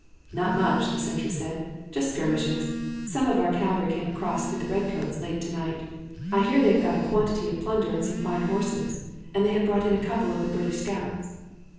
"Not much," the sentry said; "just skirmishes. Some of our cavalry came across through the redcoats late to night. I hear they have got a quantity of plunder and some fine horses, and they have brought in a couple of the British scouts."